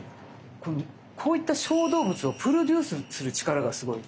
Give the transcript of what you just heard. こういった小動物をプロデュースする力がすごい。